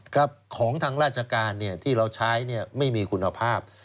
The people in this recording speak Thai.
ครับของทางราชการที่เราใช้ไม่มีคุณภาพ